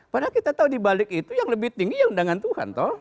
padahal kita tahu di balik itu yang lebih tinggi undangan tuhan